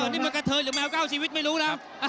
นี่มันกระเทยหรือแมว๙ชีวิตไม่รู้นะ